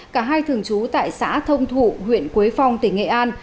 cả hai thường trú tại xã thông thụ huyện quế phong tỉnh nghệ an